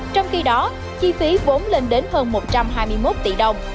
trong khi đó chi phí vốn lên đến hơn một trăm hai mươi một tỷ đồng